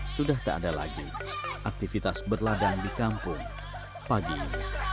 sudah tak ada lagi aktivitas berladang di kampung pagi ini